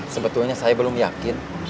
sebetulnya saya belum yakin